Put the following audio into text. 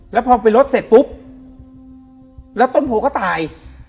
แล้วพอไปลดเสร็จปุ๊บแล้วต้นโพก็ตาย